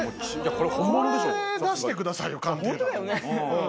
これ出してくださいよ。